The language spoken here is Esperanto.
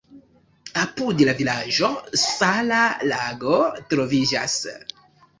Apud la vilaĝo sala lago troviĝas.